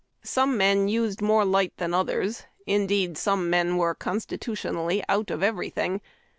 Some men used more light than others. Indeed, some men were constitutionally out of everything.